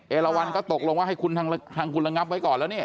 เอละวันก็ตกลงว่าให้คุณทางคุณระงับไว้ก่อนแล้วเนี่ย